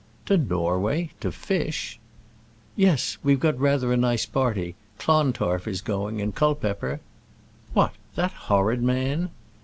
"To Norway, to fish!" "Yes. We've got rather a nice party. Clontarf is going, and Culpepper " "What, that horrid man!"